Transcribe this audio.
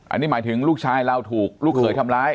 อันนี้หมายถึงลูกชายเราถูกลูกเขยทำร้าย